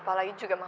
iya apalagi juga